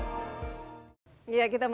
dan juga untuk memperbaiki kekuatan kita